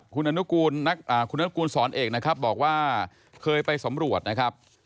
คุณนุกูลสอนเอกนะครับบอกว่าเคยไปสำรวจนะครับ